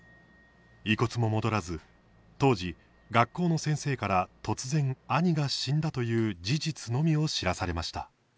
遺骨も戻らず当時、学校の先生から突然兄が死んだという事実のみを知らされました。